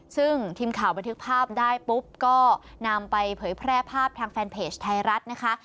ซึ่งทีมข่าวบันทึกภาพได้ปุ๊บก็นำไปเผยแพร่ภาพทางแฟนเพจไทยรัฐนะคะ